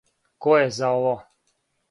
Ко је за ово?